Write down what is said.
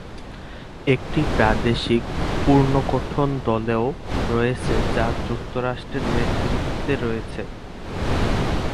একটি প্রাদেশিক পুনর্গঠন দলও রয়েছে যা যুক্তরাষ্ট্রের নেতৃত্বে রয়েছে।